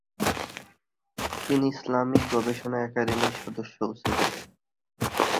তিনি ইসলামিক গবেষণা একাডেমির সদস্যও ছিলেন।